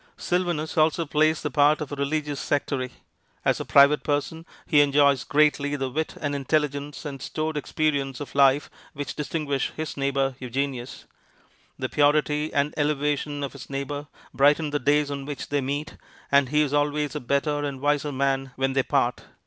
Sylvanus also plays the part of a religious sectary. As a private person he enjoys greatly the wit and intelligence and stored experience of life which distinguish his neighbor Eugenius. The purity and elevation of his neighbor brighten the days on which they meet, and he is always a better and a wiser man when they part.